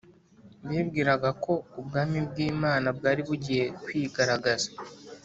bibwiraga ko ubwami bw Imana bwari bugiye kwigaragaza